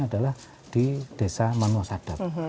adalah di desa manuasadap